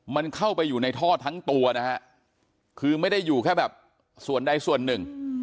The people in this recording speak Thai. มันเข้าไปอยู่ในท่อทั้งตัวนะฮะคือไม่ได้อยู่แค่แบบส่วนใดส่วนหนึ่ง